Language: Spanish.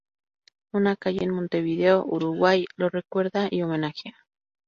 Una calle en Montevideo, Uruguay, lo recuerda y homenajea.